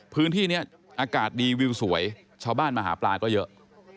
พื้นที่นี้อากาศดีวิวสวยชาวบ้านมาหาปลาก็เยอะ